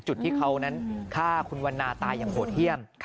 จุดที่เขานั้นฆ่าคุณวันนาตายอย่างโหดเยี่ยม